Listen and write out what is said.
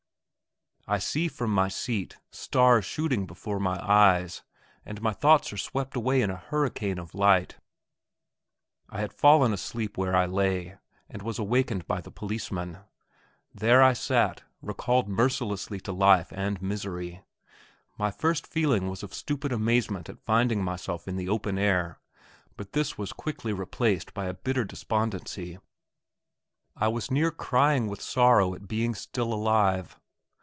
I see from my seat stars shooting before my eyes, and my thoughts are swept away in a hurricane of light.... I had fallen asleep where I lay, and was awakened by the policeman. There I sat, recalled mercilessly to life and misery. My first feeling was of stupid amazement at finding myself in the open air; but this was quickly replaced by a bitter despondency, I was near crying with sorrow at being still alive.